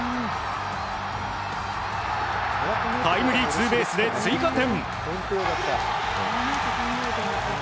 タイムリーツーベースで追加点。